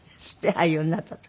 俳優になった時。